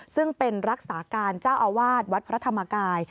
ซึ่งเป็นรักษาการเจ้าอาวาสวัดพระธรรมกาย